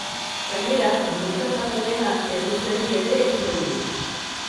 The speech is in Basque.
Gainera, emaitzen jarraipena herriz herri ere egingo dugu.